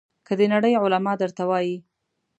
که د نړۍ علما درته وایي.